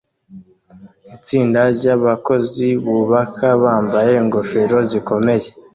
Itsinda ryabakozi bubaka bambaye ingofero zikomeye